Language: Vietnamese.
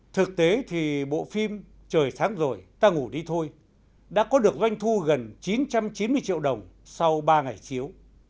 thực tế thì bộ phim trời sáng rồi ta ngủ đi thôi đã có được doanh thu gần chín trăm chín mươi triệu đồng sau ba ngày chiếu